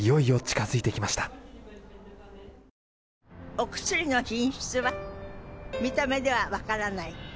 お薬の品質は見た目では分からない。